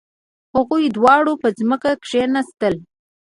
هغوی دواړه په ځمکه کښیناستل.